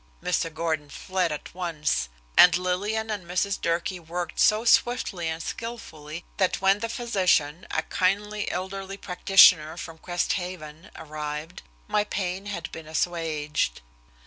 Mr. Gordon fled at once. And Lillian, and Mrs. Durkee worked so swiftly and skillfully that when the physician, a kindly, elderly practitioner from Crest Haven arrived, my pain had been assuaged.